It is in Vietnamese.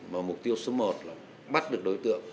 mục tiêu số một là bắt được đối tượng